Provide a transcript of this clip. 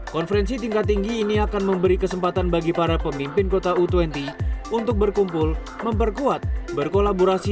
konferensi tingkat tinggi ini akan memberi kesempatan bagi para pemimpin kota u dua puluh untuk berkumpul memperkuat berkolaborasi